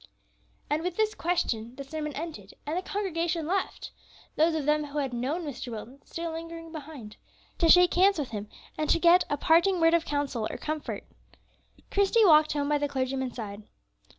And with this question the sermon ended, and the congregation left; those of them who had known Mr. Wilton still lingering behind, to shake hands with him, and to get a parting word of counsel or comfort. Christie walked home by the clergyman's side.